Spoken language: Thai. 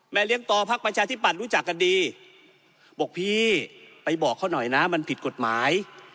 เลี้ยงต่อพักประชาธิบัตย์รู้จักกันดีบอกพี่ไปบอกเขาหน่อยนะมันผิดกฎหมาย